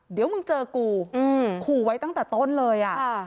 เดี๋ยวมึงเจอกูขู่ไว้ตั้งแต่ต้นเลย